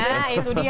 nah itu dia